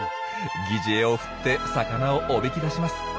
擬似餌を振って魚をおびき出します。